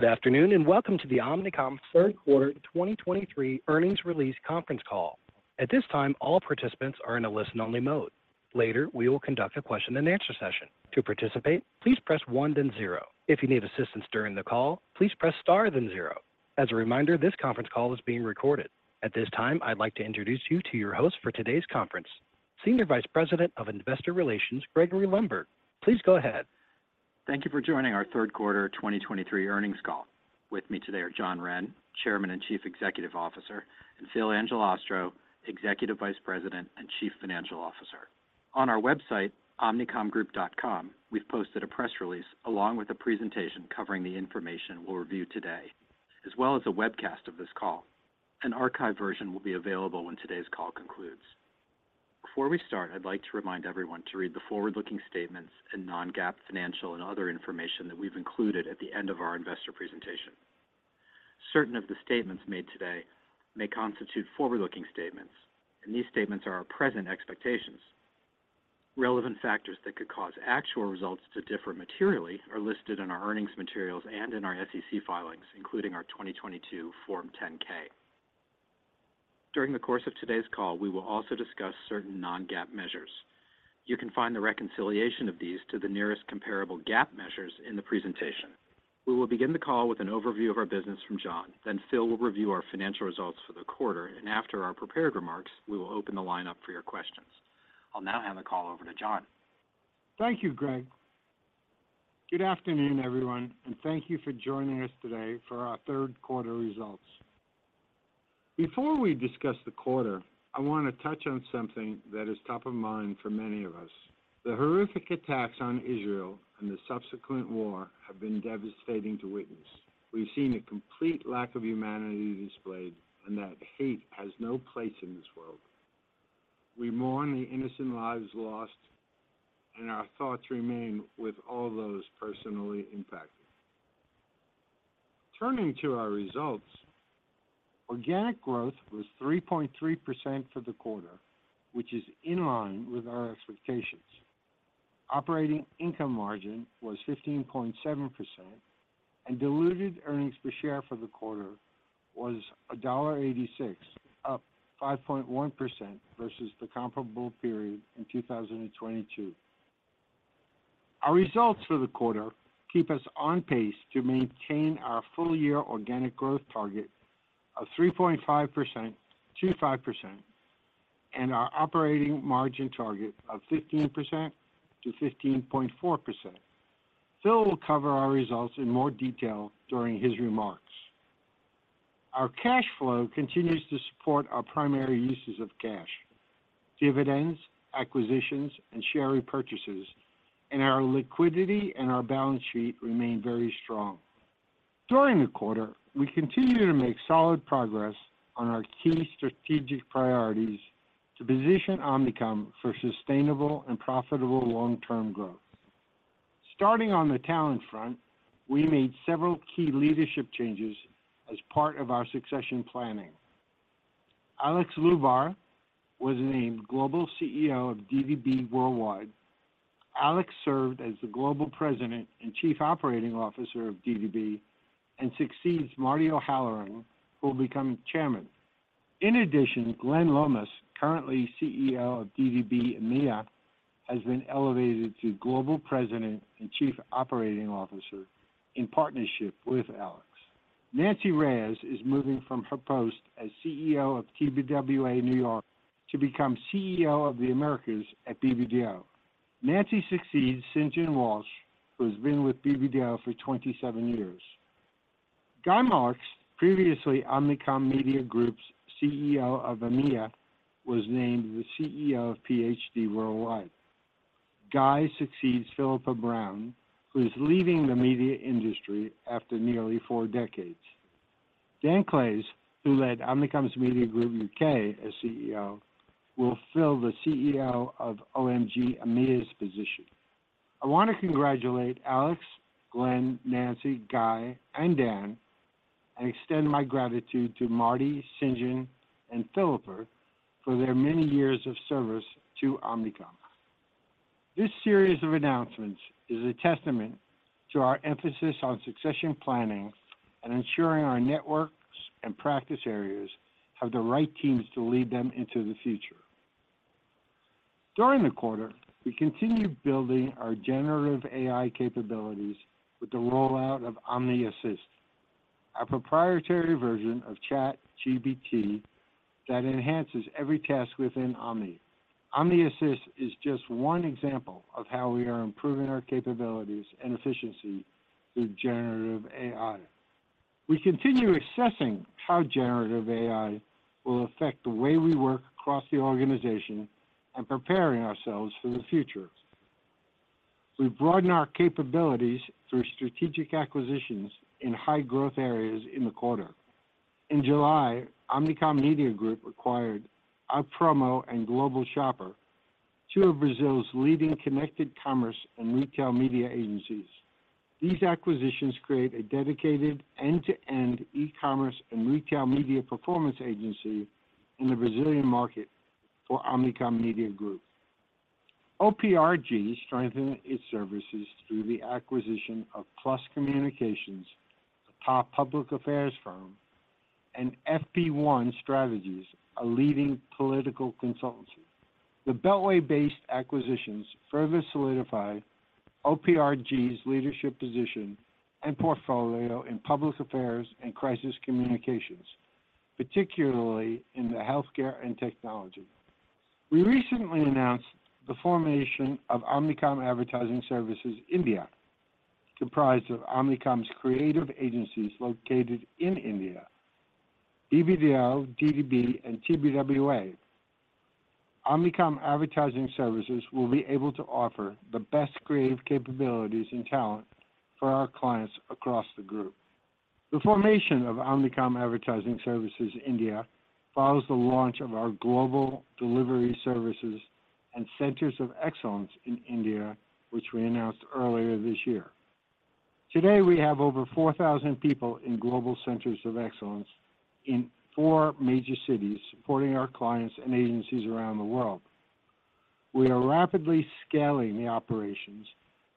Good afternoon, and welcome to the Omnicom Q3 2023 Earnings Release Conference Call. At this time, all participants are in a listen-only mode. Later, we will conduct a question-and-answer session. To participate, please press one, then zero. If you need assistance during the call, please press star, then zero. As a reminder, this conference call is being recorded. At this time, I'd like to introduce you to your host for today's conference, Senior Vice President of Investor Relations, Gregory Lundberg. Please go ahead. Thank you for joining our Q3 2023 earnings call. With me today are John Wren, Chairman and Chief Executive Officer, and Phil Angelastro, Executive Vice President and Chief Financial Officer. On our website, omnicomgroup.com, we've posted a press release, along with a presentation covering the information we'll review today, as well as a webcast of this call. An archived version will be available when today's call concludes. Before we start, I'd like to remind everyone to read the forward-looking statements and non-GAAP financial and other information that we've included at the end of our investor presentation. Certain of the statements made today may constitute forward-looking statements, and these statements are our present expectations. Relevant factors that could cause actual results to differ materially are listed in our earnings materials and in our SEC filings, including our 2022 Form 10-K. During the course of today's call, we will also discuss certain non-GAAP measures. You can find the reconciliation of these to the nearest comparable GAAP measures in the presentation. We will begin the call with an overview of our business from John. Then Phil will review our financial results for the quarter, and after our prepared remarks, we will open the line up for your questions. I'll now hand the call over to John. Thank you, Greg. Good afternoon, everyone, and thank you for joining us today for our Q3 results. Before we discuss the quarter, I want to touch on something that is top of mind for many of us. The horrific attacks on Israel and the subsequent war have been devastating to witness. We've seen a complete lack of humanity displayed, and that hate has no place in this world. We mourn the innocent lives lost, and our thoughts remain with all those personally impacted. Turning to our results, organic growth was 3.3% for the quarter, which is in line with our expectations. Operating income margin was 15.7%, and diluted earnings per share for the quarter was $1.86, up 5.1% versus the comparable period in 2022. Our results for the quarter keep us on pace to maintain our full-year organic growth target of 3.5%-5% and our operating margin target of 15%-15.4%. Phil will cover our results in more detail during his remarks. Our cash flow continues to support our primary uses of cash, dividends, acquisitions, and share repurchases, and our liquidity and our balance sheet remain very strong. During the quarter, we continued to make solid progress on our key strategic priorities to position Omnicom for sustainable and profitable long-term growth. Starting on the talent front, we made several key leadership changes as part of our succession planning. Alex Lubar was named Global CEO of DDB Worldwide. Alex served as the Global President and Chief Operating Officer of DDB and succeeds Marty O'Halloran, who will become Chairman. In addition, Glen Lomas, currently CEO of DDB EMEA, has been elevated to Global President and Chief Operating Officer in partnership with Alex. Nancy Reyes is moving from her post as CEO of TBWA New York to become CEO of the Americas at BBDO. Nancy succeeds St. John Walshe, who has been with BBDO for 27 years. Guy Marks, previously Omnicom Media Group's CEO of EMEA, was named the CEO of PHD Worldwide. Guy succeeds Philippa Brown, who is leaving the media industry after nearly four decades. Dan Clays, who led Omnicom Media Group UK as CEO, will fill the CEO of OMG EMEA's position. I want to congratulate Alex, Glen, Nancy, Guy, and Dan, and extend my gratitude to Marty, St. John, and Philippa for their many years of service to Omnicom. This series of announcements is a testament to our emphasis on succession planning and ensuring our networks and practice areas have the right teams to lead them into the future. During the quarter, we continued building our generative AI capabilities with the rollout of Omni Assist, our proprietary version of ChatGPT that enhances every task within Omni. Omni Assist is just one example of how we are improving our capabilities and efficiency through generative AI. We continue assessing how generative AI will affect the way we work across the organization and preparing ourselves for the future. We broaden our capabilities through strategic acquisitions in high-growth areas in the quarter. In July, Omnicom Media Group acquired OutPromo and Global Shopper, two of Brazil's leading connected commerce and retail media agencies. These acquisitions create a dedicated end-to-end e-commerce and retail media performance agency in the Brazilian market for Omnicom Media Group. OPRG strengthened its services through the acquisition of PLUS Communications, a top public affairs firm, and FP1 Strategies, a leading political consultancy. The Beltway-based acquisitions further solidify OPRG's leadership position and portfolio in public affairs and crisis communications, particularly in the healthcare and technology. We recently announced the formation of Omnicom Advertising Services India, comprised of Omnicom's creative agencies located in India, BBDO, DDB, and TBWA. Omnicom Advertising Services will be able to offer the best creative capabilities and talent for our clients across the group. The formation of Omnicom Advertising Services India follows the launch of our global delivery services and centers of excellence in India, which we announced earlier this year. Today, we have over 4,000 people in global centers of excellence in four major cities supporting our clients and agencies around the world. We are rapidly scaling the operations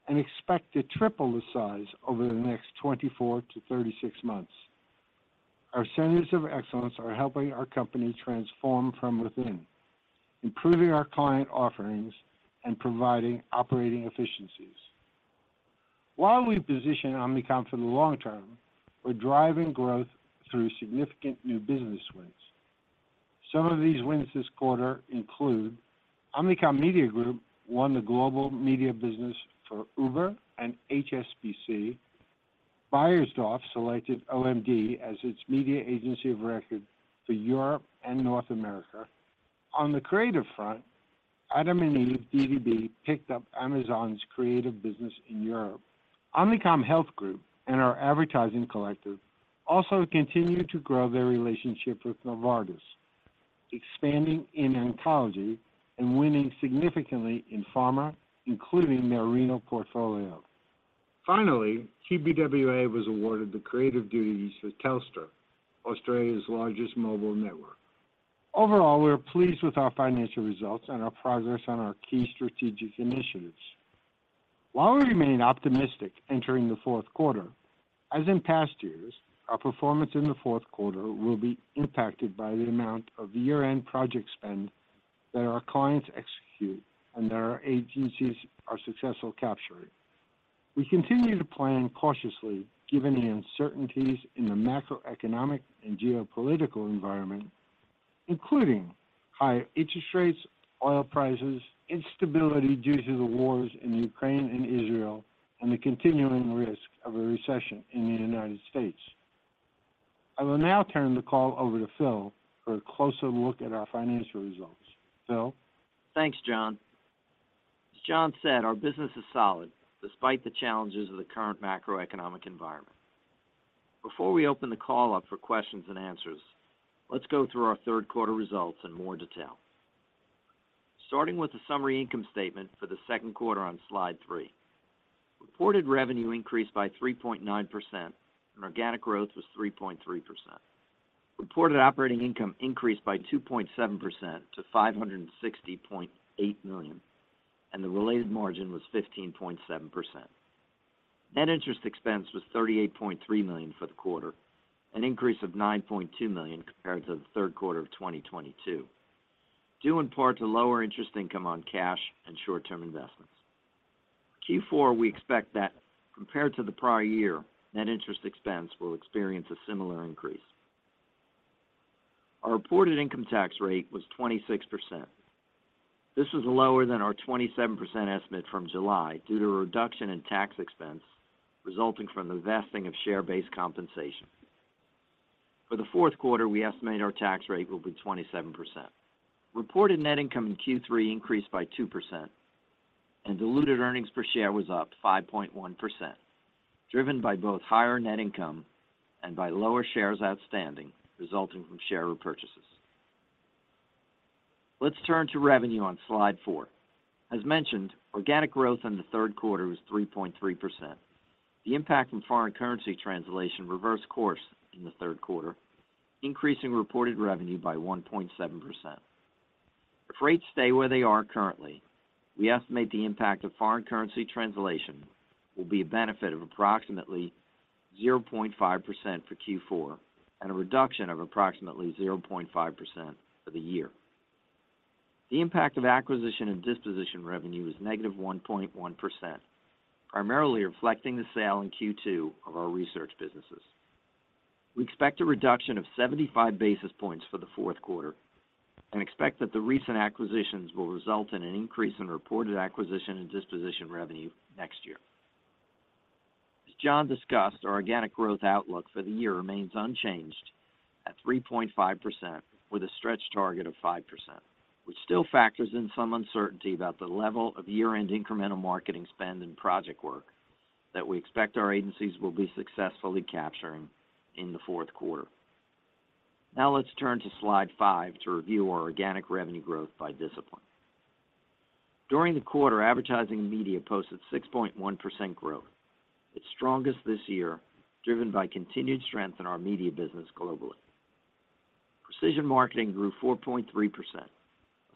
and expect to triple the size over the next 24-36 months. Our centers of excellence are helping our company transform from within, improving our client offerings and providing operating efficiencies. While we position Omnicom for the long term, we're driving growth through significant new business wins. Some of these wins this quarter include: Omnicom Media Group won the global media business for Uber and HSBC. Beiersdorf selected OMD as its media agency of record for Europe and North America. On the creative front, Adam and Eve DDB picked up Amazon's creative business in Europe. Omnicom Health Group and our Advertising Collective also continued to grow their relationship with Novartis, expanding in oncology and winning significantly in pharma, including their renal portfolio. Finally, TBWA was awarded the creative duties for Telstra, Australia's largest mobile network. Overall, we are pleased with our financial results and our progress on our key strategic initiatives. While we remain optimistic entering the Q4, as in past years, our performance in the Q4 will be impacted by the amount of year-end project spend that our clients execute and that our agencies are successfully capturing. We continue to plan cautiously, given the uncertainties in the macroeconomic and geopolitical environment, including high interest rates, oil prices, instability due to the wars in Ukraine and Israel, and the continuing risk of a recession in the United States. I will now turn the call over to Phil for a closer look at our financial results. Phil? Thanks, John. As John said, our business is solid despite the challenges of the current macroeconomic environment. Before we open the call up for questions and answers, let's go through our Q3 results in more detail. Starting with the summary income statement for the second quarter on slide three. Reported revenue increased by 3.9%, and organic growth was 3.3%. Reported operating income increased by 2.7% to $560.8 million, and the related margin was 15.7%. Net interest expense was $38.3 million for the quarter, an increase of $9.2 million compared to the Q3 of 2022, due in part to lower interest income on cash and short-term investments. Q4, we expect that compared to the prior year, net interest expense will experience a similar increase. Our reported income tax rate was 26%. This is lower than our 27% estimate from July due to a reduction in tax expense resulting from the vesting of share-based compensation. For the Q4, we estimate our tax rate will be 27%. Reported net income in Q3 increased by 2%, and diluted earnings per share was up 5.1%, driven by both higher net income and by lower shares outstanding, resulting from share repurchases. Let's turn to revenue on slide four. As mentioned, organic growth in the Q3 was 3.3%. The impact from foreign currency translation reversed course in the Q3, increasing reported revenue by 1.7%. If rates stay where they are currently, we estimate the impact of foreign currency translation will be a benefit of approximately 0.5% for Q4 and a reduction of approximately 0.5% for the year. The impact of acquisition and disposition revenue is -1.1%, primarily reflecting the sale in Q2 of our research businesses. We expect a reduction of 75 basis points for the Q4 and expect that the recent acquisitions will result in an increase in reported acquisition and disposition revenue next year. As John discussed, our organic growth outlook for the year remains unchanged at 3.5%, with a stretch target of 5%, which still factors in some uncertainty about the level of year-end incremental marketing spend and project work that we expect our agencies will be successfully capturing in the Q4. Now let's turn to Slide five to review our organic revenue growth by discipline. During the quarter, advertising and media posted 6.1% growth, its strongest this year, driven by continued strength in our media business globally. Precision marketing grew 4.3%. A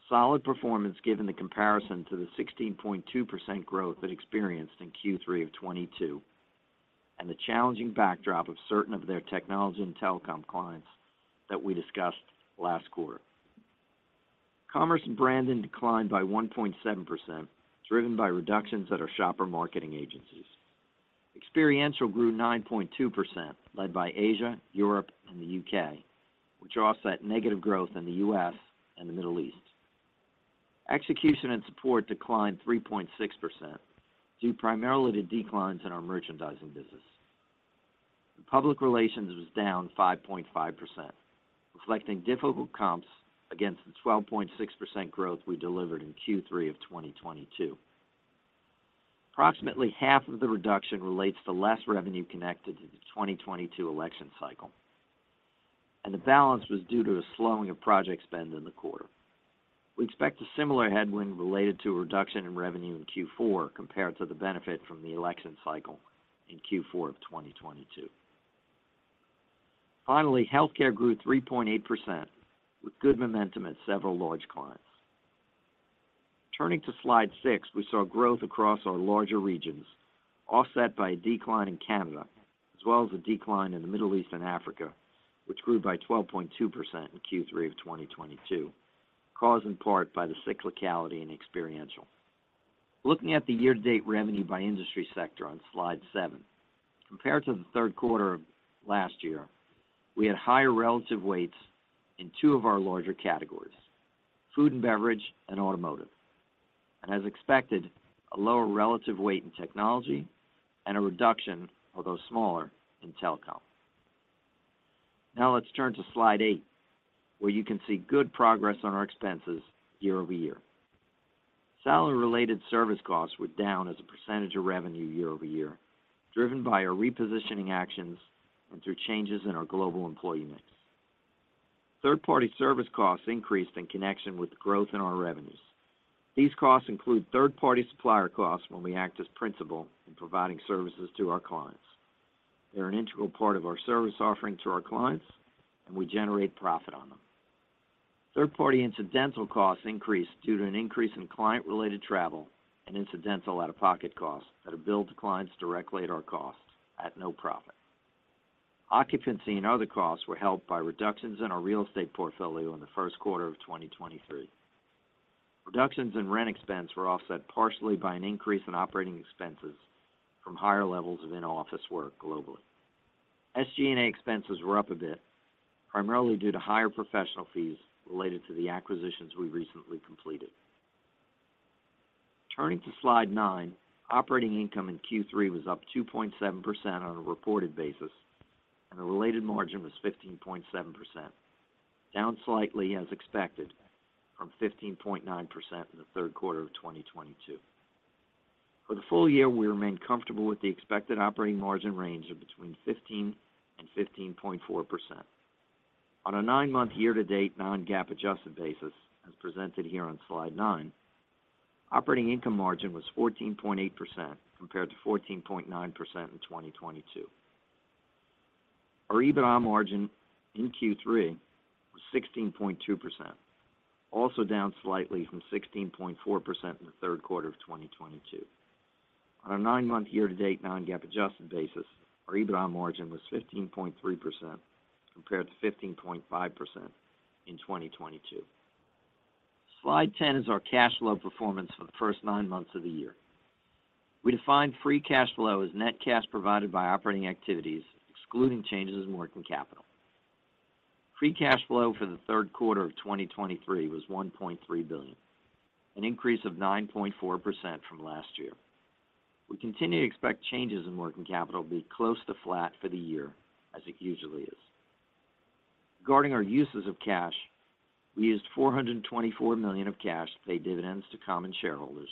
solid performance given the comparison to the 16.2% growth it experienced in Q3 of 2022, and the challenging backdrop of certain of their technology and telecom clients that we discussed last quarter. Commerce and branding declined by 1.7%, driven by reductions at our shopper marketing agencies. Experiential grew 9.2%, led by Asia, Europe, and the U.K., which offset negative growth in the U.S. and the Middle East. Execution and support declined 3.6%, due primarily to declines in our merchandising business. Public relations was down 5.5%, reflecting difficult comps against the 12.6% growth we delivered in Q3 of 2022. Approximately half of the reduction relates to less revenue connected to the 2022 election cycle, and the balance was due to a slowing of project spend in the quarter. We expect a similar headwind related to a reduction in revenue in Q4 compared to the benefit from the election cycle in Q4 of 2022. Finally, healthcare grew 3.8%, with good momentum at several large clients. Turning to Slide six, we saw growth across our larger regions, offset by a decline in Canada, as well as a decline in the Middle East and Africa, which grew by 12.2% in Q3 of 2022, caused in part by the cyclicality and experiential. Looking at the year-to-date revenue by industry sector on Slide seven. Compared to the Q3 of last year, we had higher relative weights in two of our larger categories: food and beverage and automotive. And as expected, a lower relative weight in technology and a reduction, although smaller, in telecom. Now let's turn to Slide eight, where you can see good progress on our expenses year-over-year. Salary-related service costs were down as a percentage of revenue year-over-year, driven by our repositioning actions and through changes in our global employee mix. Third-party service costs increased in connection with growth in our revenues. These costs include third-party supplier costs when we act as principal in providing services to our clients. They're an integral part of our service offering to our clients, and we generate profit on them. Third-party incidental costs increased due to an increase in client-related travel and incidental out-of-pocket costs that are billed to clients directly at our cost, at no profit. Occupancy and other costs were held by reductions in our real estate portfolio in the Q1 of 2023. Reductions in rent expense were offset partially by an increase in operating expenses from higher levels of in-office work globally. SG&A expenses were up a bit, primarily due to higher professional fees related to the acquisitions we recently completed. Turning to Slide nine, operating income in Q3 was up 2.7% on a reported basis, and the related margin was 15.7%, down slightly as expected from 15.9% in the Q3 of 2022. For the full year, we remain comfortable with the expected operating margin range of between 15% and 15.4%. On a nine-month year-to-date non-GAAP adjusted basis, as presented here on Slide nine, operating income margin was 14.8%, compared to 14.9% in 2022. Our EBITDA margin in Q3 was 16.2%, also down slightly from 16.4% in the Q3 of 2022. On a nine-month year-to-date non-GAAP adjusted basis, our EBITDA margin was 15.3%, compared to 15.5% in 2022. Slide 10 is our cash flow performance for the first 9 months of the year. We define free cash flow as net cash provided by operating activities, excluding changes in working capital. Free cash flow for the Q3 of 2023 was $1.3 billion, an increase of 9.4% from last year. We continue to expect changes in working capital will be close to flat for the year, as it usually is. Regarding our uses of cash, we used $424 million of cash to pay dividends to common shareholders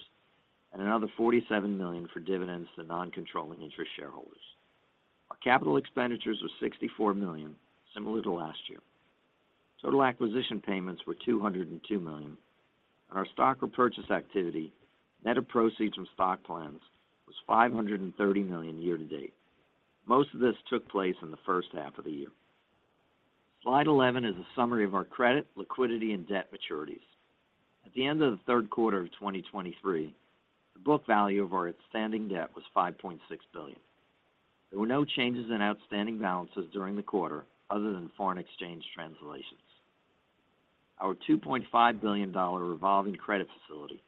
and another $47 million for dividends to non-controlling interest shareholders. Our capital expenditures were $64 million, similar to last year. Total acquisition payments were $202 million, and our stock repurchase activity, net of proceeds from stock plans, was $530 million year to date. Most of this took place in the H1 of the year. Slide 11 is a summary of our credit, liquidity, and debt maturities. At the end of the Q3 of 2023, the book value of our outstanding debt was $5.6 billion. There were no changes in outstanding balances during the quarter, other than foreign exchange translations. Our $2.5 billion revolving credit facility,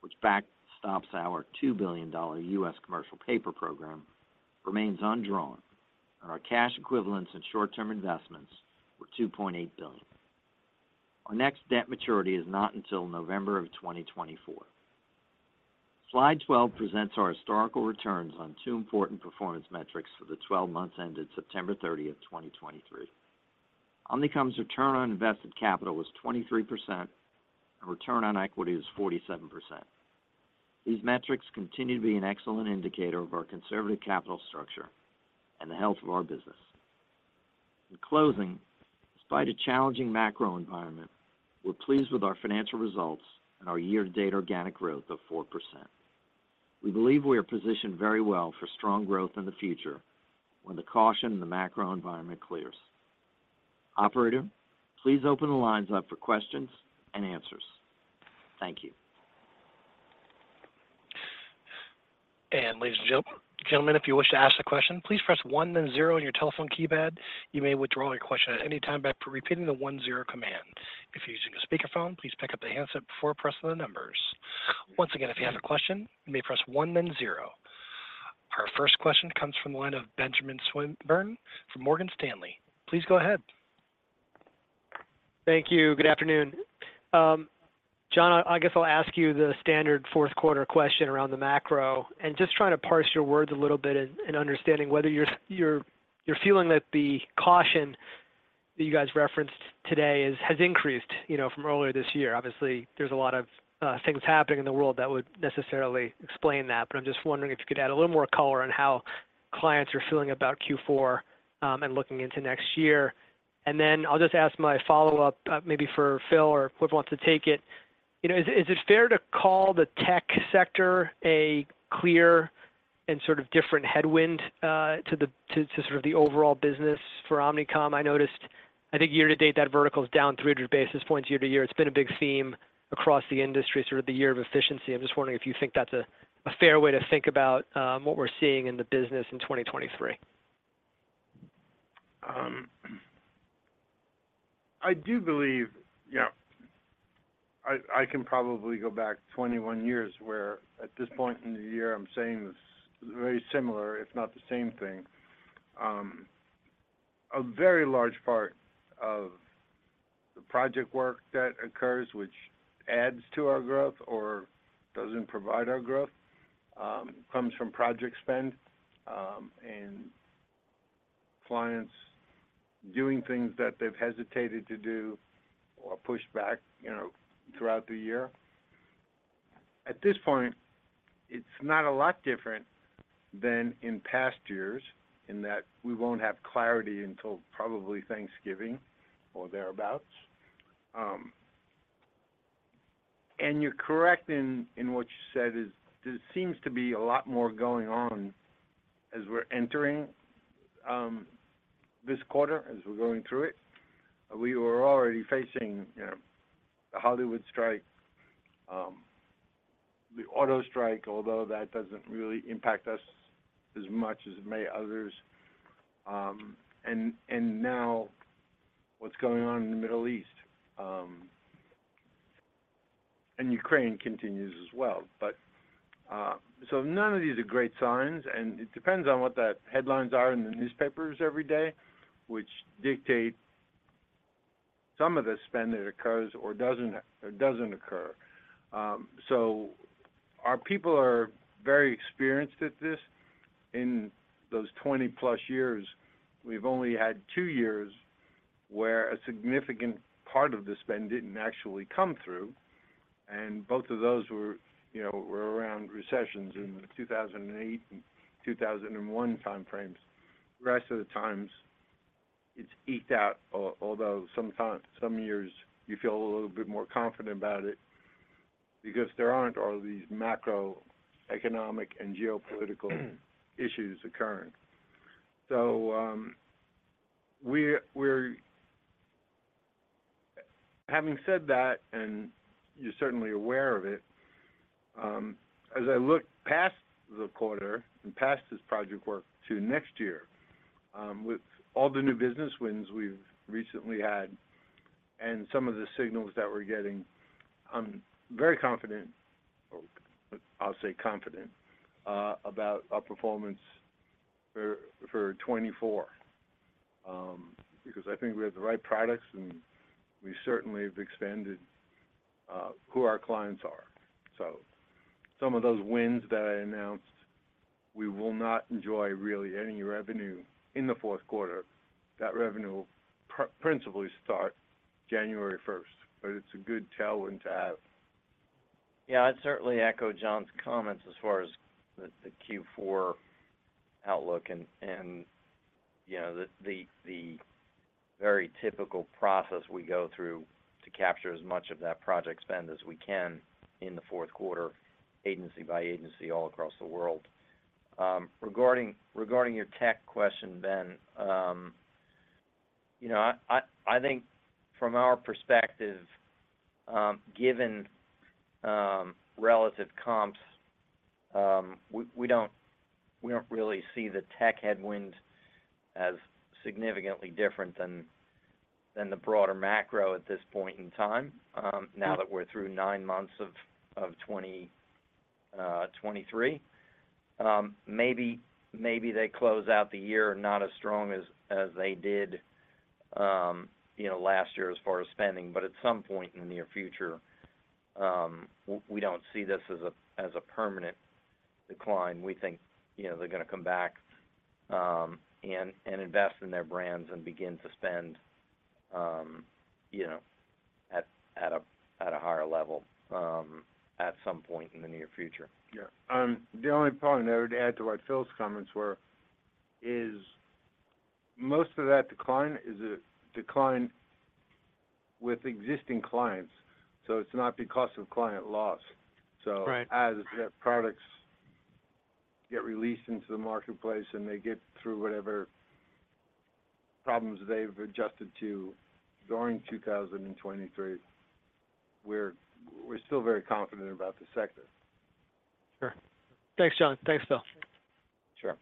which backstops our $2 billion U.S. commercial paper program, remains undrawn, and our cash equivalents and short-term investments were $2.8 billion. Our next debt maturity is not until November 2024. Slide 12 presents our historical returns on two important performance metrics for the 12 months ended September 30, 2023. Omnicom's return on invested capital was 23%, and return on equity was 47%. These metrics continue to be an excellent indicator of our conservative capital structure and the health of our business. In closing, despite a challenging macro environment, we're pleased with our financial results and our year-to-date organic growth of 4%.... We believe we are positioned very well for strong growth in the future when the caution in the macro environment clears. Operator, please open the lines up for questions and answers. Thank you. Ladies and gentlemen, if you wish to ask a question, please press one then zero on your telephone keypad. You may withdraw your question at any time by repeating the one zero command. If you're using a speakerphone, please pick up the handset before pressing the numbers. Once again, if you have a question, you may press one then zero. Our first question comes from the line of Benjamin Swinburne from Morgan Stanley. Please go ahead. Thank you. Good afternoon. John, I guess I'll ask you the standard Q4 question around the macro, and just trying to parse your words a little bit in understanding whether you're feeling that the caution that you guys referenced today has increased, you know, from earlier this year. Obviously, there's a lot of things happening in the world that would necessarily explain that. But I'm just wondering if you could add a little more color on how clients are feeling about Q4 and looking into next year. And then I'll just ask my follow-up, maybe for Phil or whoever wants to take it. You know, is it fair to call the tech sector a clear and sort of different headwind to the overall business for Omnicom? I noticed, I think year-to-date, that vertical is down 300 basis points year-to-year. It's been a big theme across the industry, sort of the year of efficiency. I'm just wondering if you think that's a fair way to think about what we're seeing in the business in 2023. I do believe, you know, I can probably go back 21 years, where at this point in the year, I'm saying this very similar, if not the same thing. A very large part of the project work that occurs, which adds to our growth or doesn't provide our growth, comes from project spend, and clients doing things that they've hesitated to do or pushed back, you know, throughout the year. At this point, it's not a lot different than in past years in that we won't have clarity until probably Thanksgiving or thereabout. And you're correct in what you said, is there seems to be a lot more going on as we're entering this quarter, as we're going through it. We were already facing, you know, the Hollywood strike, the auto strike, although that doesn't really impact us as much as it may others. And now what's going on in the Middle East, and Ukraine continues as well. But so none of these are great signs, and it depends on what the headlines are in the newspapers every day, which dictate some of the spend that occurs or doesn't, or doesn't occur. So our people are very experienced at this. In those 20+ years, we've only had two years where a significant part of the spend didn't actually come through, and both of those were, you know, around recessions in the 2008 and 2001 time frames. The rest of the times, it's eked out, although sometimes some years you feel a little bit more confident about it because there aren't all these macroeconomic and geopolitical issues occurring. So, having said that, and you're certainly aware of it, as I look past the quarter and past this project work to next year, with all the new business wins we've recently had and some of the signals that we're getting, I'm very confident, or I'll say confident, about our performance for 2024. Because I think we have the right products, and we certainly have expanded who our clients are. So some of those wins that I announced, we will not enjoy really any revenue in the Q4. That revenue will principally start January first, but it's a good tailwind to have. Yeah, I'd certainly echo John's comments as far as the Q4 outlook and you know, the very typical process we go through to capture as much of that project spend as we can in the Q4, agency by agency, all across the world. Regarding your tech question, Ben, you know, I think from our perspective, given relative comps, we don't really see the tech headwind as significantly different than the broader macro at this point in time, now that we're through nine months of 2023. Maybe they close out the year not as strong as they did you know, last year as far as spending, but at some point in the near future, we don't see this as a permanent decline. We think, you know, they're going to come back, and invest in their brands and begin to spend, you know, at a higher level, at some point in the near future. Yeah. The only point I would add to what Phil's comments were is most of that decline is a decline with existing clients, so it's not because of client loss. So- Right As products get released into the marketplace, and they get through whatever problems they've adjusted to during 2023, we're, we're still very confident about the sector. Sure. Thanks, John. Thanks, Phil. Sure.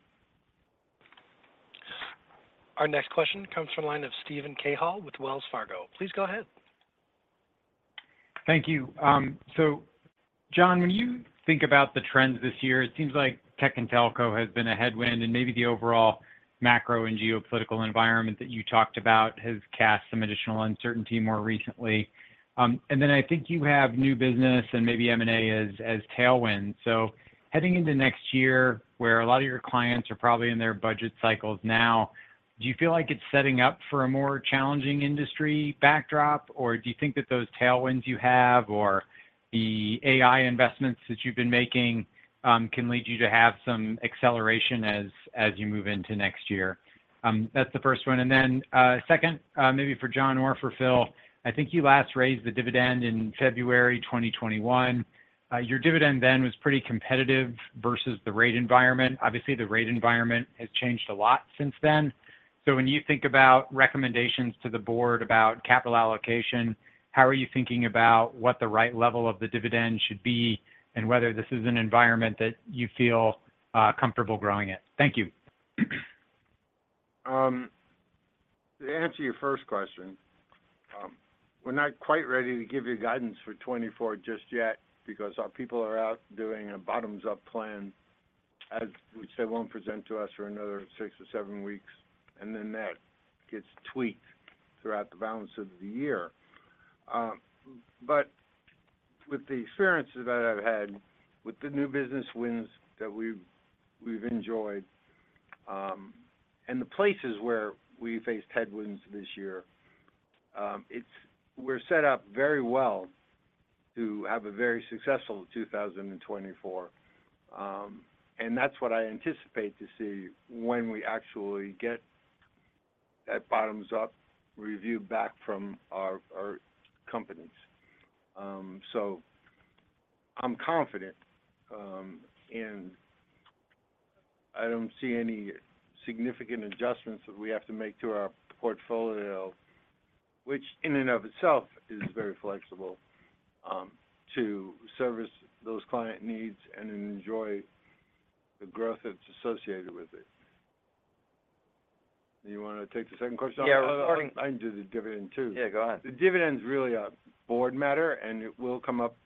Our next question comes from the line of Steven Cahall with Wells Fargo. Please go ahead. Thank you. So John, when you think about the trends this year, it seems like tech and telco has been a headwind, and maybe the overall macro and geopolitical environment that you talked about has cast some additional uncertainty more recently. And then I think you have new business and maybe M&A as tailwind. So heading into next year, where a lot of your clients are probably in their budget cycles now, do you feel like it's setting up for a more challenging industry backdrop? Or do you think that those tailwinds you have or the AI investments that you've been making can lead you to have some acceleration as you move into next year? That's the first one. And then, second, maybe for John or for Phil, I think you last raised the dividend in February 2021. Your dividend then was pretty competitive versus the rate environment. Obviously, the rate environment has changed a lot since then. So when you think about recommendations to the board about capital allocation, how are you thinking about what the right level of the dividend should be and whether this is an environment that you feel comfortable growing it? Thank you. To answer your first question, we're not quite ready to give you guidance for 2024 just yet because our people are out doing a bottoms-up plan, which they won't present to us for another six or seven weeks, and then that gets tweaked throughout the balance of the year. But with the experiences that I've had with the new business wins that we've enjoyed, and the places where we faced headwinds this year, it's. We're set up very well to have a very successful 2024. And that's what I anticipate to see when we actually get that bottoms-up review back from our companies. So I'm confident, and I don't see any significant adjustments that we have to make to our portfolio, which in and of itself is very flexible, to service those client needs and enjoy the growth that's associated with it. Do you want to take the second question? Yeah, regarding- I can do the dividend, too. Yeah, go ahead. The dividend is really a board matter, and it will come up,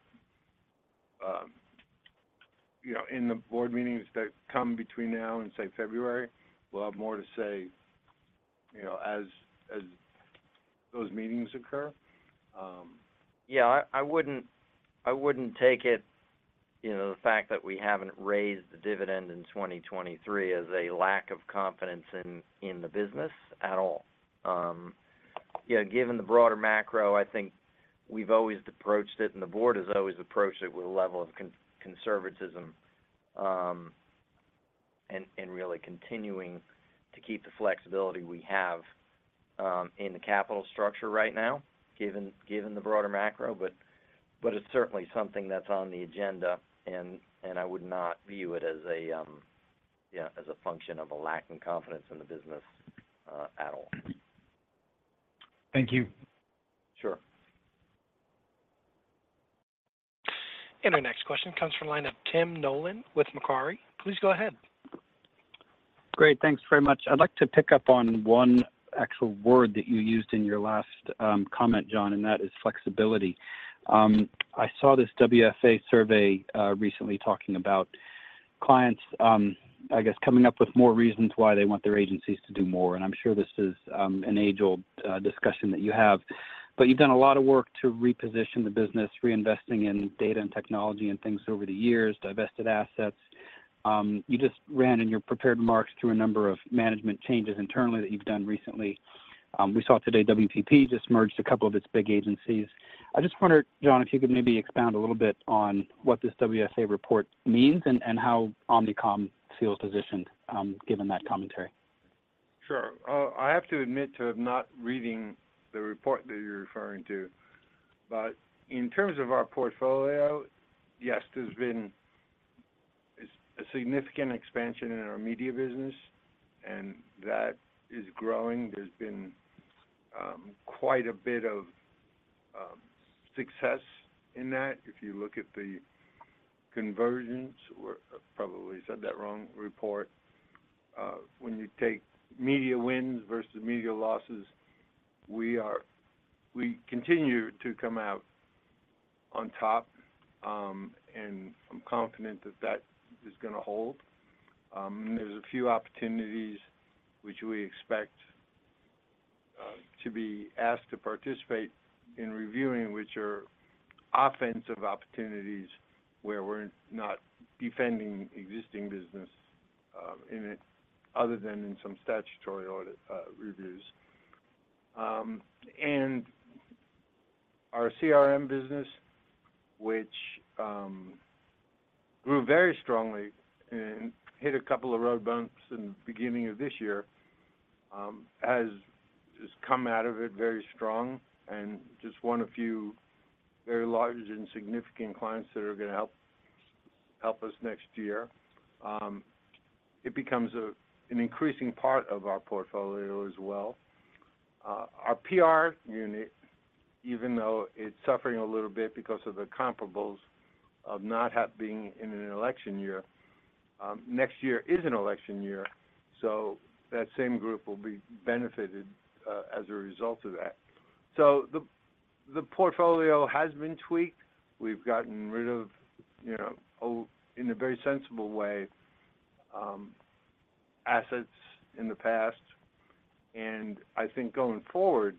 you know, in the board meetings that come between now and, say, February. We'll have more to say, you know, as those meetings occur. Yeah, I wouldn't take it, you know, the fact that we haven't raised the dividend in 2023 as a lack of confidence in the business at all. You know, given the broader macro, I think we've always approached it, and the board has always approached it with a level of conservatism, and really continuing to keep the flexibility we have in the capital structure right now, given the broader macro. But it's certainly something that's on the agenda, and I would not view it as a function of a lack of confidence in the business at all. Thank you. Sure. Our next question comes from the line of Tim Nollen with Macquarie. Please go ahead. Great. Thanks very much. I'd like to pick up on one actual word that you used in your last comment, John, and that is flexibility. I saw this WFA survey recently talking about clients, I guess, coming up with more reasons why they want their agencies to do more, and I'm sure this is an age-old discussion that you have. But you've done a lot of work to reposition the business, reinvesting in data and technology and things over the years, divested assets. You just ran in your prepared remarks through a number of management changes internally that you've done recently. We saw today WPP just merged a couple of its big agencies. I just wondered, John, if you could maybe expound a little bit on what this WFA report means and how Omnicom feels positioned given that commentary? Sure. I have to admit to have not reading the report that you're referring to, but in terms of our portfolio, yes, there's been a significant expansion in our media business, and that is growing. There's been quite a bit of success in that. If you look at the convergence or I probably said that wrong, report, when you take media wins versus media losses, we are. We continue to come out on top, and I'm confident that that is going to hold. There's a few opportunities which we expect to be asked to participate in reviewing, which are offensive opportunities where we're not defending existing business, in it, other than in some statutory audit reviews. And our CRM business, which grew very strongly and hit a couple of road bumps in the beginning of this year, has come out of it very strong and just won a few very large and significant clients that are going to help us next year. It becomes an increasing part of our portfolio as well. Our PR unit, even though it's suffering a little bit because of the comparables of not being in an election year, next year is an election year, so that same group will be benefited as a result of that. So the portfolio has been tweaked. We've gotten rid of, you know, old assets in a very sensible way in the past. I think going forward,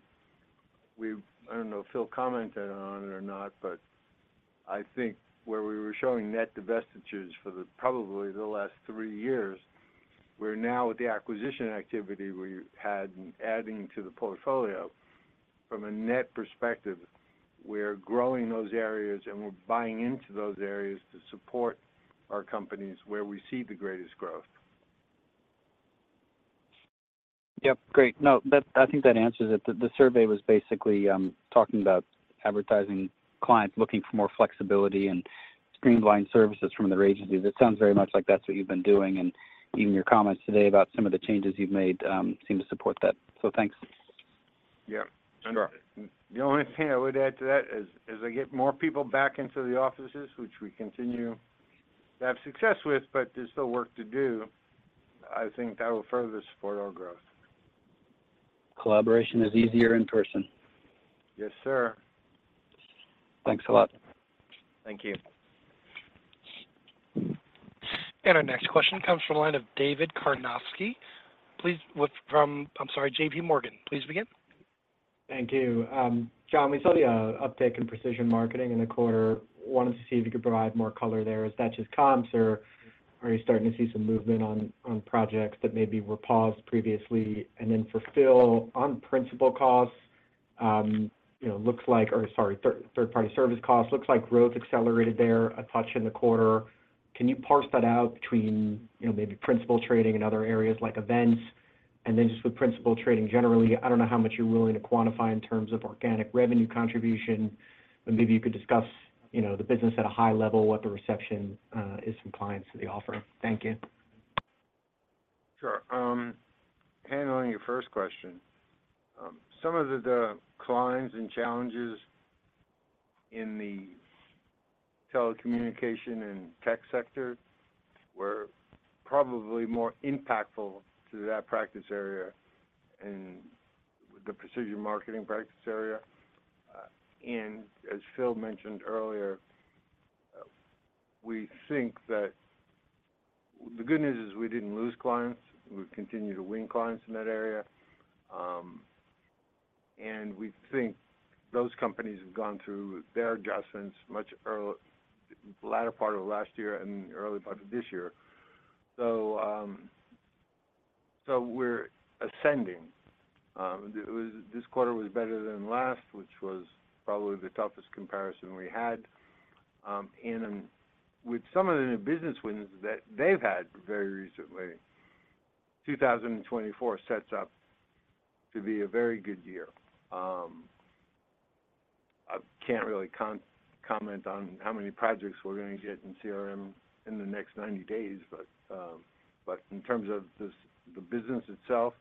we've. I don't know if Phil commented on it or not, but I think where we were showing net divestitures for probably the last three years, we're now at the acquisition activity we've had adding to the portfolio. From a net perspective, we're growing those areas, and we're buying into those areas to support our companies where we see the greatest growth. Yep, great. No, that. I think that answers it. The survey was basically talking about advertising clients looking for more flexibility and streamlined services from their agencies. It sounds very much like that's what you've been doing, and even your comments today about some of the changes you've made seem to support that. So thanks. Yeah, sure. The only thing I would add to that is, as I get more people back into the offices, which we continue to have success with, but there's still work to do, I think that will further support our growth. Collaboration is easier in person. Yes, sir. Thanks a lot. Thank you. Our next question comes from the line of David Karnovsky, please, with... I'm sorry, J.P. Morgan. Please begin. Thank you. John, we saw the uptick in precision marketing in the quarter. Wanted to see if you could provide more color there. Is that just comps, or are you starting to see some movement on projects that maybe were paused previously? And then for Phil, on principal costs, you know, looks like, or sorry, third-party service costs, looks like growth accelerated there a touch in the quarter. Can you parse that out between, you know, maybe principal trading in other areas like events? And then just with principal trading, generally, I don't know how much you're willing to quantify in terms of organic revenue contribution, but maybe you could discuss, you know, the business at a high level, what the reception is from clients to the offer. Thank you. Sure. Handling your first question, some of the clients and challenges in the telecommunications and tech sector were probably more impactful to that practice area and the precision marketing practice area. And as Phil mentioned earlier, we think that the good news is we didn't lose clients. We've continued to win clients in that area. And we think those companies have gone through their adjustments in the latter part of last year and early part of this year. So, we're ascending. This quarter was better than last, which was probably the toughest comparison we had. And, with some of the new business wins that they've had very recently, 2024 sets up to be a very good year. I can't really comment on how many projects we're going to get in CRM in the next 90 days, but, but in terms of this, the business itself,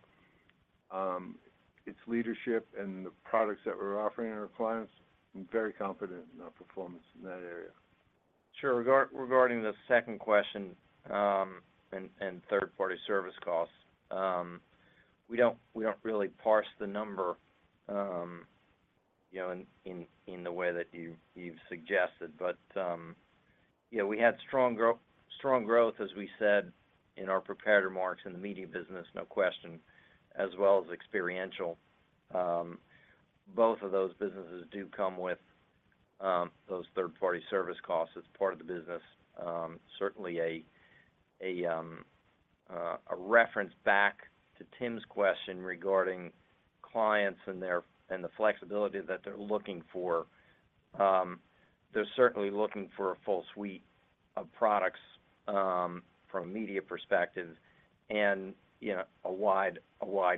its leadership and the products that we're offering our clients, I'm very confident in our performance in that area. Sure. Regarding the second question and third-party service costs, we don't really parse the number, you know, in the way that you've suggested. But, you know, we had strong growth, as we said in our prepared remarks in the media business, no question, as well as experiential. Both of those businesses do come with those third-party service costs as part of the business. Certainly a reference back to Tim's question regarding clients and their flexibility that they're looking for. They're certainly looking for a full suite of products from a media perspective and, you know, a wide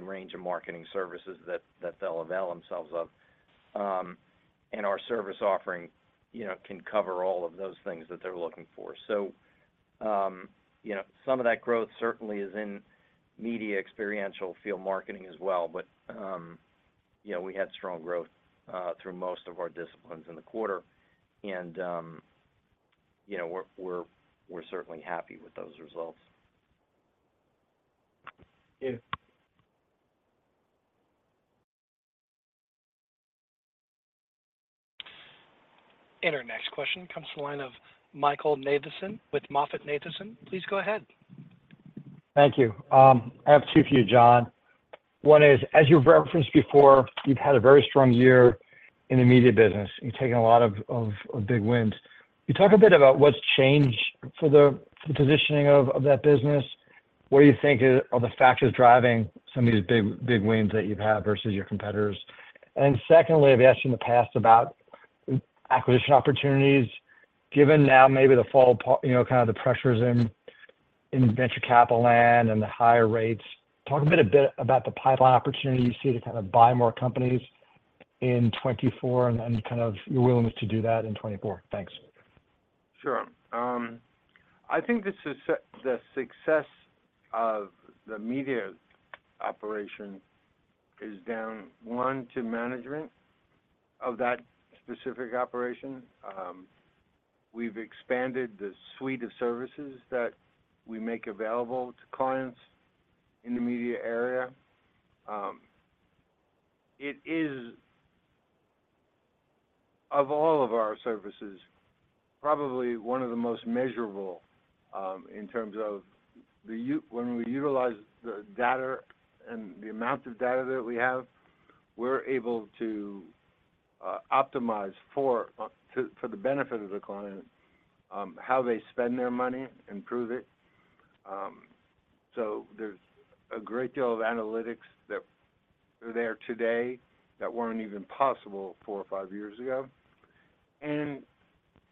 range of marketing services that they'll avail themselves of. And our service offering, you know, can cover all of those things that they're looking for. So, you know, some of that growth certainly is in media, experiential, field marketing as well. But, you know, we had strong growth through most of our disciplines in the quarter, and, you know, we're certainly happy with those results. Thank you. And our next question comes from the line of Michael Nathanson with MoffettNathanson. Please go ahead. Thank you. I have two for you, John. One is, as you've referenced before, you've had a very strong year in the media business. You've taken a lot of big wins. Can you talk a bit about what's changed for the positioning of that business? What do you think are the factors driving some of these big wins that you've had versus your competitors? And secondly, I've asked in the past about acquisition opportunities. Given now maybe the fallout, you know, kind of the pressures in venture capital land and the higher rates, talk a bit about the pipeline opportunities you see to kind of buy more companies in 2024 and kind of your willingness to do that in 2024. Thanks. Sure. I think the success of the media operation is down to one, to management of that specific operation. We've expanded the suite of services that we make available to clients in the media area. It is, of all of our services, probably one of the most measurable in terms of when we utilize the data and the amount of data that we have, we're able to optimize for the benefit of the client how they spend their money, improve it. So there's a great deal of analytics that are there today that weren't even possible four or five years ago. And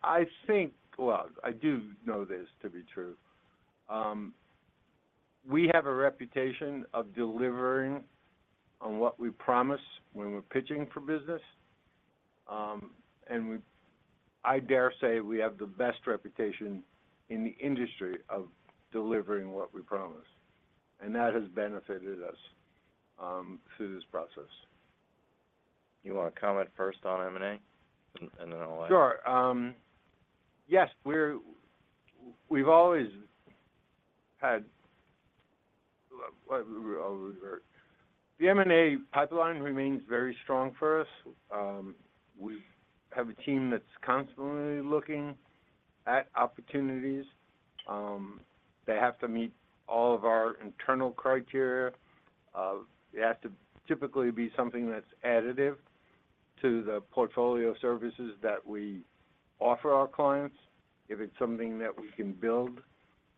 I think, well, I do know this to be true, we have a reputation of delivering on what we promise when we're pitching for business. I dare say we have the best reputation in the industry of delivering what we promise, and that has benefited us through this process. You want to comment first on M&A, and then I'll add? Sure. Yes, we've always had what I would word. The M&A pipeline remains very strong for us. We have a team that's constantly looking at opportunities. They have to meet all of our internal criteria. It has to typically be something that's additive to the portfolio services that we offer our clients. If it's something that we can build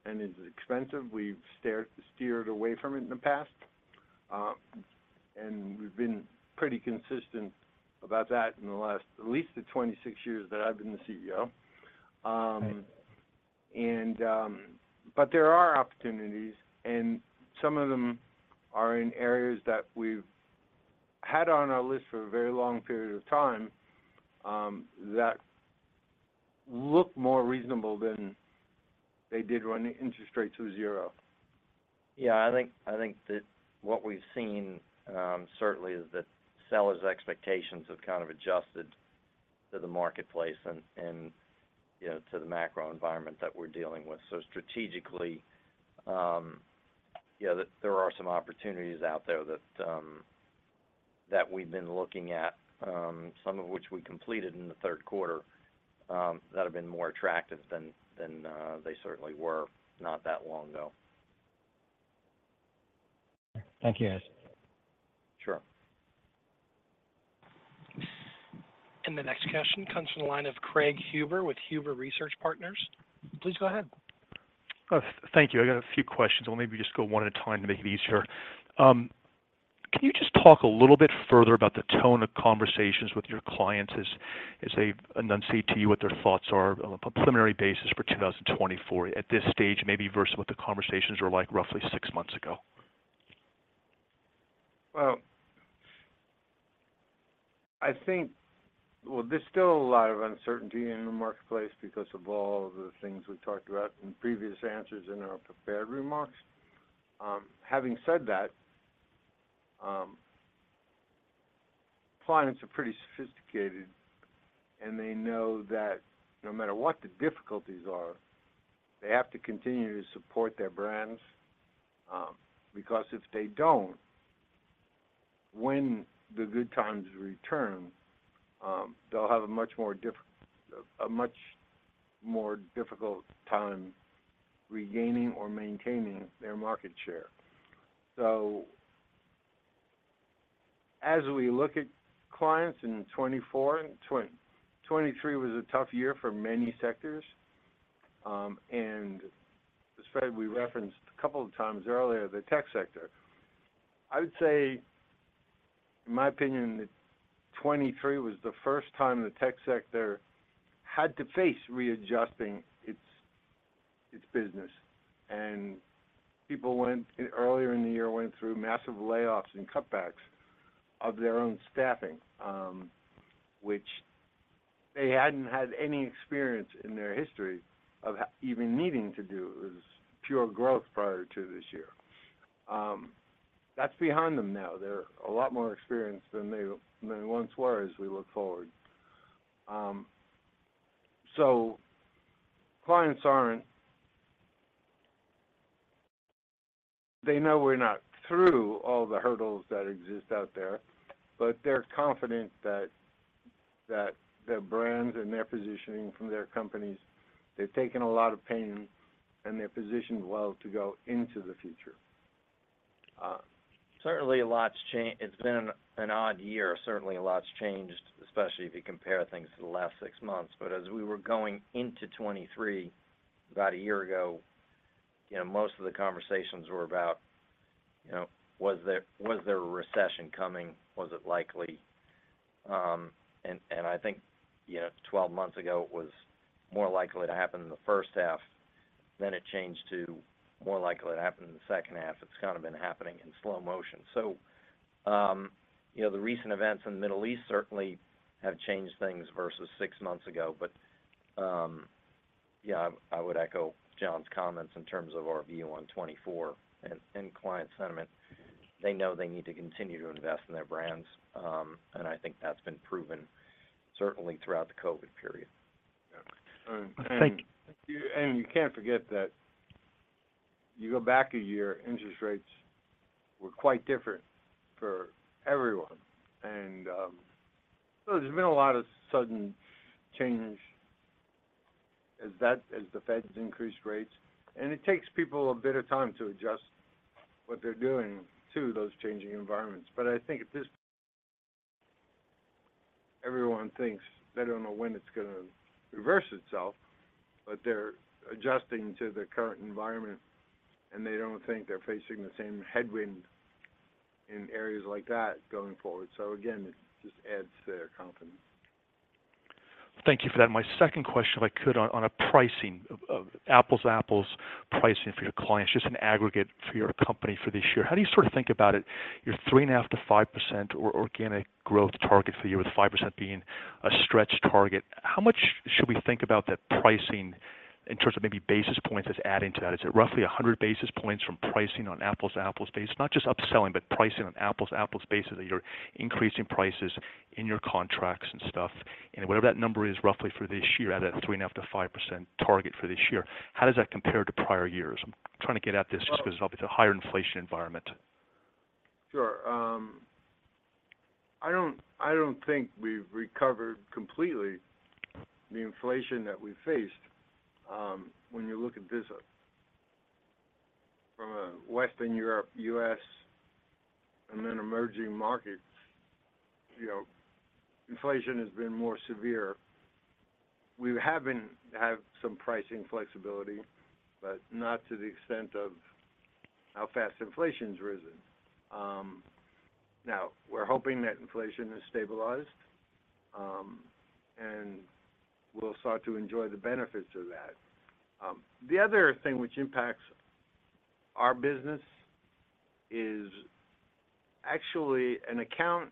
and is expensive, we've steered away from it in the past, and we've been pretty consistent about that in the last at least the 26 years that I've been the CEO. But there are opportunities, and some of them are in areas that we've had on our list for a very long period of time, that look more reasonable than they did when the interest rates were zero. Yeah, I think, I think that what we've seen, certainly, is that sellers' expectations have kind of adjusted to the marketplace and, and, you know, to the macro environment that we're dealing with. So strategically, yeah, there are some opportunities out there that, that we've been looking at, some of which we completed in the Q3, that have been more attractive than, than, they certainly were not that long ago. Thank you, guys. Sure. The next question comes from the line of Craig Huber with Huber Research Partners. Please go ahead. Thank you. I got a few questions. I'll maybe just go one at a time to make it easier. Can you just talk a little bit further about the tone of conversations with your clients as, as they enunciate to you what their thoughts are on a preliminary basis for 2024? At this stage, maybe versus what the conversations were like roughly six months ago. Well, I think. Well, there's still a lot of uncertainty in the marketplace because of all the things we talked about in previous answers in our prepared remarks. Having said that, clients are pretty sophisticated, and they know that no matter what the difficulties are, they have to continue to support their brands, because if they don't, when the good times return, they'll have a much more difficult time regaining or maintaining their market share. So as we look at clients in 2024, and 2023 was a tough year for many sectors, and as Fred, we referenced a couple of times earlier, the tech sector. I would say, in my opinion, that 2023 was the first time the tech sector had to face readjusting its business. People went, earlier in the year, went through massive layoffs and cutbacks of their own staffing, which they hadn't had any experience in their history of even needing to do. It was pure growth prior to this year. That's behind them now. They're a lot more experienced than they, than they once were as we look forward. So clients aren't... They know we're not through all the hurdles that exist out there, but they're confident that, that their brands and their positioning from their companies, they've taken a lot of pain, and they're positioned well to go into the future.... Certainly a lot's changed. It's been an odd year. Certainly, a lot's changed, especially if you compare things to the last six months. But as we were going into 2023, about a year ago, you know, most of the conversations were about, you know, was there, was there a recession coming? Was it likely? And I think, you know, 12 months ago, it was more likely to happen in the H1, then it changed to more likely to happen in the H2. It's kind of been happening in slow motion. So, you know, the recent events in the Middle East certainly have changed things versus six months ago. But, yeah, I would echo John's comments in terms of our view on 2024 and client sentiment. They know they need to continue to invest in their brands, and I think that's been proven, certainly throughout the COVID period. Yeah. Thank you. You can't forget that you go back a year, interest rates were quite different for everyone. So there's been a lot of sudden change as the Feds increased rates, and it takes people a bit of time to adjust what they're doing to those changing environments. But I think at this, everyone thinks they don't know when it's gonna reverse itself, but they're adjusting to the current environment, and they don't think they're facing the same headwind in areas like that going forward. So again, it just adds to their confidence. Thank you for that. My second question, if I could, on, on a pricing of, of apples-to-apples pricing for your clients, just an aggregate for your company for this year. How do you sort of think about it? Your 3.5%-5% or organic growth target for the year, with 5% being a stretch target. How much should we think about that pricing in terms of maybe basis points is adding to that? Is it roughly 100 basis points from pricing on apples-to-apples basis? Not just upselling, but pricing on apples-to-apples basis, that you're increasing prices in your contracts and stuff. And whatever that number is, roughly for this year, at a 3.5%-5% target for this year, how does that compare to prior years? I'm trying to get at this just 'cause it's a higher inflation environment. Sure. I don't think we've recovered completely the inflation that we faced. When you look at business from a Western Europe, U.S., and then emerging markets, you know, inflation has been more severe. We have some pricing flexibility, but not to the extent of how fast inflation's risen. Now, we're hoping that inflation has stabilized, and we'll start to enjoy the benefits of that. The other thing which impacts our business is actually an account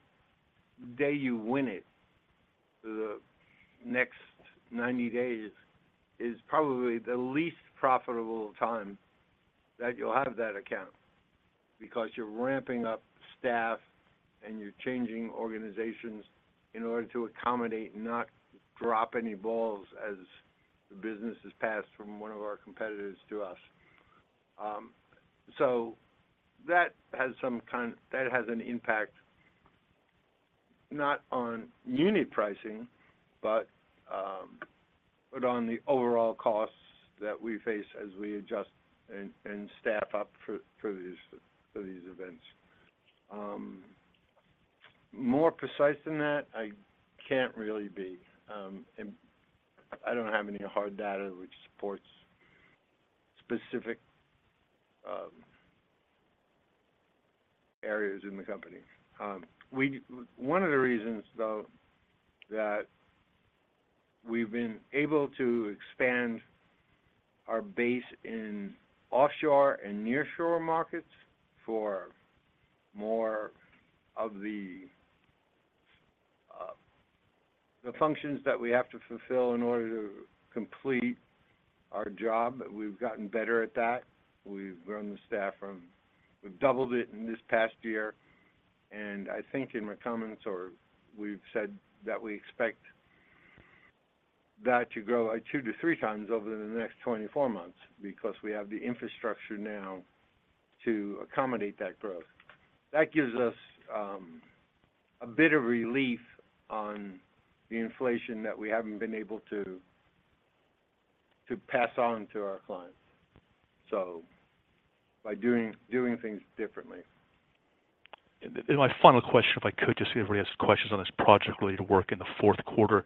day you win it, the next 90 days is probably the least profitable time that you'll have that account because you're ramping up staff and you're changing organizations in order to accommodate, not drop any balls as the business is passed from one of our competitors to us. So that has an impact, not on unit pricing, but, but on the overall costs that we face as we adjust and staff up for these events. More precise than that, I can't really be, and I don't have any hard data which supports specific areas in the company. One of the reasons, though, that we've been able to expand our base in offshore and nearshore markets for more of the functions that we have to fulfill in order to complete our job, we've gotten better at that. We've grown the staff from... We've doubled it in this past year, and I think in my comments or we've said that we expect that to grow two-three times over the next 24 months because we have the infrastructure now to accommodate that growth. That gives us a bit of relief on the inflation that we haven't been able to pass on to our clients. So by doing things differently. My final question, if I could, just everybody has questions on this project related to work in the Q4.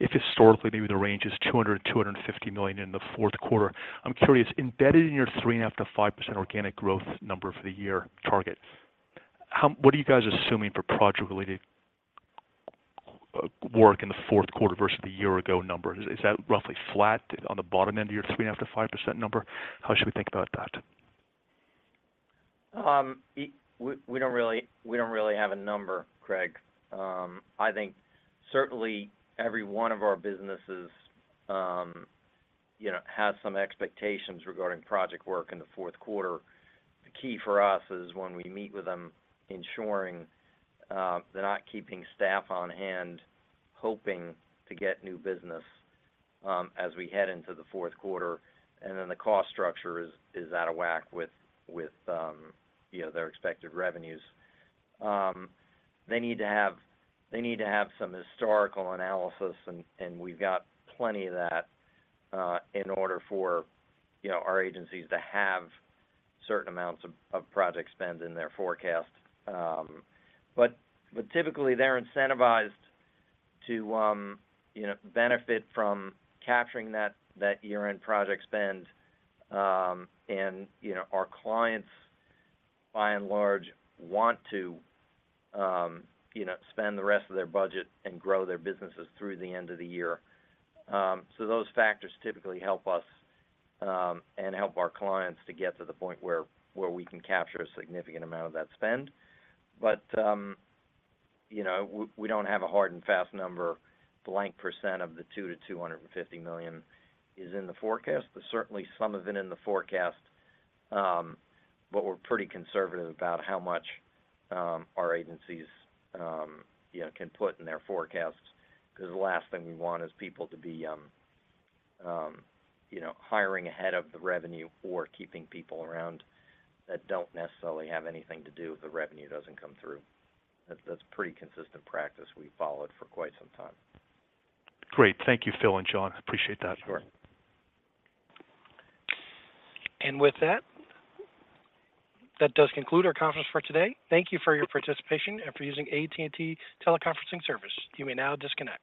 If historically, maybe the range is $200-$250 million in the Q4. I'm curious, embedded in your 3.5%-5% organic growth number for the year target, how—what are you guys assuming for project-related work in the Q4 versus the year-ago number? Is that roughly flat on the bottom end of your 3.5%-5% number? How should we think about that? We don't really have a number, Craig. I think certainly every one of our businesses, you know, has some expectations regarding project work in the Q4. The key for us is when we meet with them, ensuring they're not keeping staff on hand, hoping to get new business as we head into the Q4, and then the cost structure is out of whack with their expected revenues. They need to have some historical analysis, and we've got plenty of that, in order for our agencies to have certain amounts of project spend in their forecast. But typically they're incentivized to, you know, benefit from capturing that year-end project spend. You know, our clients, by and large, want to, you know, spend the rest of their budget and grow their businesses through the end of the year. So those factors typically help us, and help our clients to get to the point where we can capture a significant amount of that spend. But, you know, we don't have a hard and fast number, 2%-2.5% of the $200-$250 million is in the forecast. But certainly some of it in the forecast, but we're pretty conservative about how much our agencies, you know, can put in their forecasts, 'cause the last thing we want is people to be, you know, hiring ahead of the revenue or keeping people around that don't necessarily have anything to do if the revenue doesn't come through. That's pretty consistent practice we followed for quite some time. Great. Thank you, Phil and John. I appreciate that. Sure. With that, that does conclude our conference for today. Thank you for your participation and for using AT&T Teleconferencing service. You may now disconnect.